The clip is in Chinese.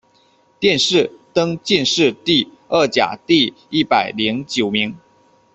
殿试登进士第二甲第一百零九名。